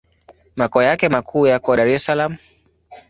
Makao yake makuu yako Dar es Salaam.